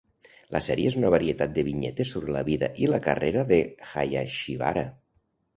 La sèrie és una varietat de vinyetes sobre la vida i la carrera de Hayashibara.